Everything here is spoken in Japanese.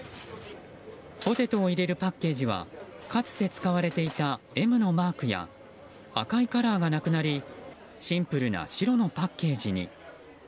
ポテトを入れるパッケージはかつて使われていたＭのマークや赤いカラーがなくなりシンプルな白のパッケージに。